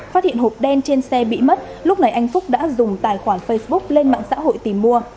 phát hiện hộp đen trên xe bị mất lúc này anh phúc đã dùng tài khoản facebook lên mạng xã hội tìm mua